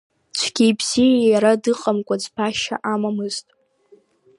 Цәгьеи бзиеи иара дыҟамкәа ӡбашьа амамызт.